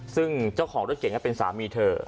ซึ่งเจ้าของรถเก่งเป็นสามีเธอ